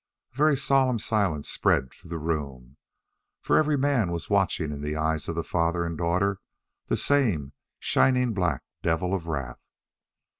A very solemn silence spread through the room; for every man was watching in the eyes of the father and daughter the same shining black devil of wrath.